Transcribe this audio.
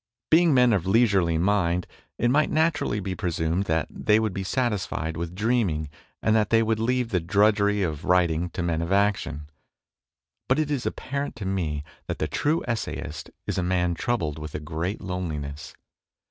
Being men of leisurely mind, it might naturally be presumed that they would be satisfied with dreaming, and that they would leave the drudgery of writ ing to men of action. But it is apparent to me that the true essayist is a man troubled with a great loneliness.